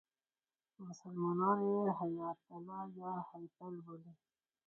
مسلمانان یې هیاتله یا هیتل بولي.